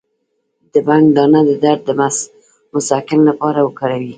د بنګ دانه د درد د مسکن لپاره وکاروئ